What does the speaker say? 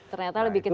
ternyata lebih kecil